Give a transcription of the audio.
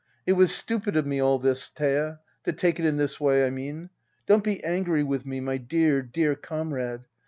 ] It was stupid of me ail this, Thea — to take it in this way, I mean. Don't be angry with me, my dear, dear comrade.